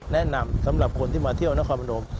แนะนำสำหรับคนที่มาเที่ยวนครพนม